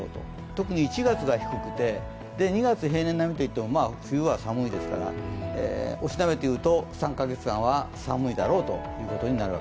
特に１月が低くて、２月は平年並みといっても寒いですから、押しなめていうと３か月間は寒いだろいうと。